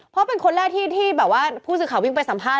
เพราะเป็นคนแรกที่แบบว่าผู้สื่อข่าววิ่งไปสัมภาษ